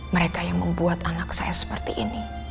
mereka yang membuat anak saya seperti ini